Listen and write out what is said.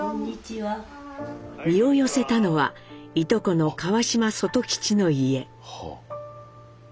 身を寄せたのはいとこの川島外吉の家。